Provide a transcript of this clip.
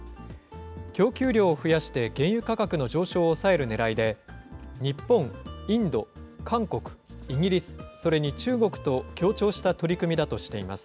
供給量を増やして、原油価格の上昇を抑えるねらいで、日本、インド、韓国、イギリス、それに中国と協調した取り組みだとしています。